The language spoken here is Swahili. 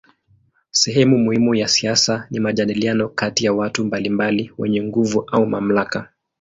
Sehemu muhimu ya siasa ni majadiliano kati ya watu mbalimbali wenye nguvu au mamlaka.